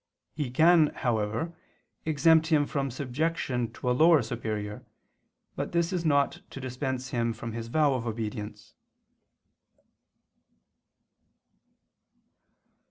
He can, however, exempt him from subjection to a lower superior, but this is not to dispense him from his vow of obedience.